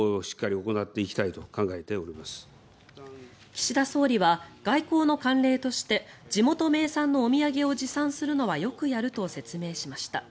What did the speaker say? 岸田総理は外交の慣例として地元名産のお土産を持参するのはよくやると説明しました。